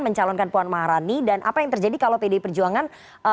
mencalonkan puan maharani dan apa yang terjadi kalau pdi perjuangan